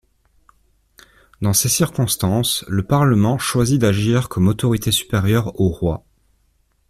Dans ces circonstances, le Parlement choisit d'agir comme autorité supérieure au roi.